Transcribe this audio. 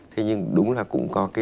thế nhưng đúng là cũng có cái